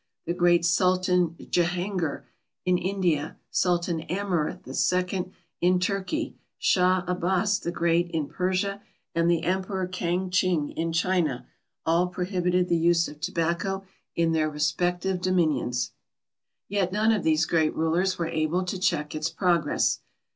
The great Sultan Jehanghir in India, Sultan Amurath II in Turkey, Shah Abbas the Great in Persia, and the Emperor Kang Ching in China, all prohibited the use of tobacco in their respective dominions. Yet none of these great rulers were able to check its progress.